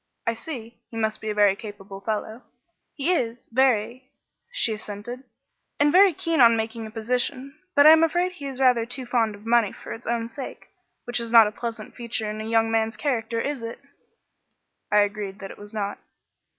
"I see. He must be a very capable fellow." "He is, very," she assented, "and very keen on making a position; but I am afraid he is rather too fond of money for its own sake, which is not a pleasant feature in a young man's character, is it?" I agreed that it was not.